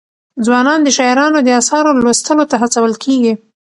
ځوانان د شاعرانو د اثارو لوستلو ته هڅول کېږي.